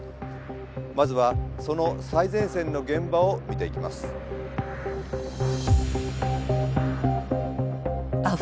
まずはその最前線の現場を見ていきます。